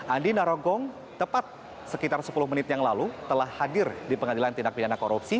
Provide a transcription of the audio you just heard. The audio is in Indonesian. andi narogong tepat sekitar sepuluh menit yang lalu telah hadir di pengadilan tindak pidana korupsi